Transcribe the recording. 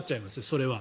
それは。